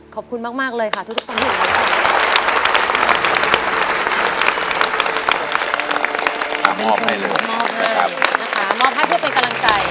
ขอบคุณมากเลยค่ะทุกคน